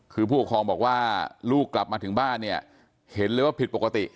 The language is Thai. คือผู้ปกครองบอกว่าลูกกลับมาถึงบ้านเนี่ยเห็นเลยว่าผิดปกติ